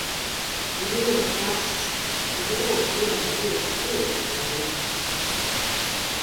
Ir ļoti karsts, bet logu turam ciet odu dēļ.